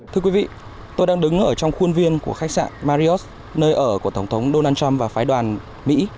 thưa quý vị tôi đang đứng ở trong khuôn viên của khách sạn mariot nơi ở của tổng thống donald trump và phái đoàn mỹ